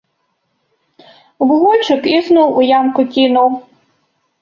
Вугольчык ізноў у ямку кінуў.